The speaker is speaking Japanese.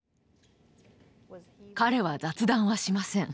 彼は雑談はしません。